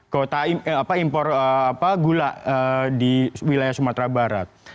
kuota impor gula di wilayah sumatera barat